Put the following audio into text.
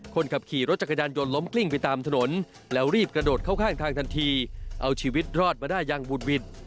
คนขับขี่รถจักรยานยนต์ล้มกลิ้งไปตามถนนแล้วรีบกระโดดเข้าข้างทางทันทีเอาชีวิตรอดมาได้อย่างบุดหวิด